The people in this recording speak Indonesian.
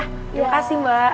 terima kasih mbak